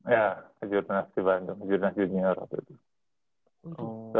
ya kejurnas di bandung kejurnas junior waktu itu